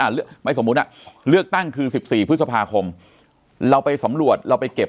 หรือไม่สมมุติเลือกตั้งคือ๑๔พฤษภาคมเราไปสำรวจเราไปเก็บ